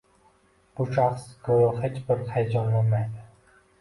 Bu shaxs go‘yo hech bir hayajonlanmaydi.